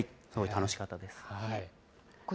楽しかったです。